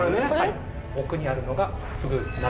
奥にあるのがフグ鍋